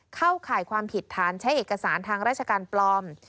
เข้าข่ายความผิดฐานใช้เอกสารทางราชการปลอม